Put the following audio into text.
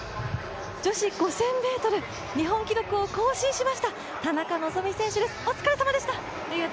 女子５０００ｍ、日本記録を更新しました、田中希実選手です、お疲れさまでした。